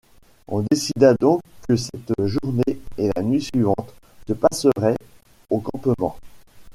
On décida donc que cette journée et la nuit suivante se passeraient au campement.